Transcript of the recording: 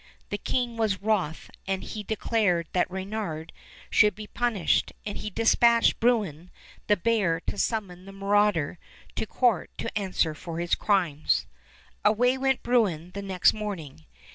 The king was wroth and he declared that Reynard should be punished, and he despatched Bruin the bear to summon the marauder to court to answer for his crimes. Away went Bruin the next morning.